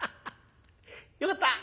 よかった！